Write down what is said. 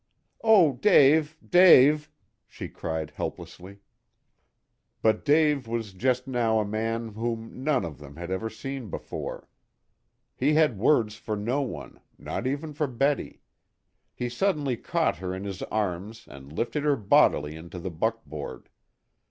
"Oh, Dave, Dave!" she cried helplessly. But Dave was just now a man whom none of them had ever seen before. He had words for no one not even for Betty. He suddenly caught her in his arms and lifted her bodily into the buckboard.